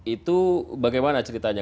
itu bagaimana ceritanya